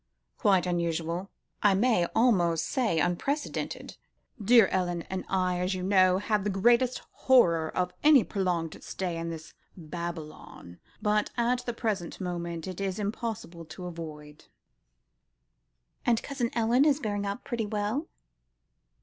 "Quite unusual; I may almost say, unprecedented. Dear Ellen and I, as you know, have the greatest horror of any prolonged stay in this Babylon, but, at the present moment, it is impossible to avoid it." "And Cousin Ellen is bearing up pretty well?"